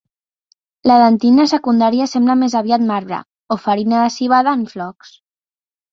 La dentina secundària sembla més aviat marbre, o farina de civada en flocs.